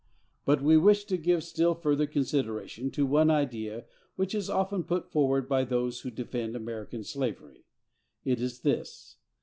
But we wish to give still further consideration to one idea which is often put forward by those who defend American slavery. It is this.